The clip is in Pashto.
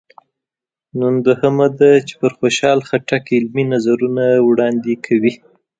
نن دوهمه ده چې پر خوشحال خټک علمي نظرونه وړاندې کوي.